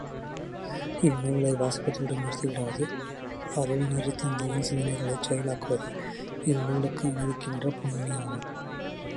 இந்நூலை வாசிப்பதோடு நிறுத்திவிடாது அருள்நெறித் தந்தையின் சிந்தனைகளைச் செயலாக்குவதே, இந்நூலுக்கு அணிவிக்கின்ற பொன் அணியாகும்.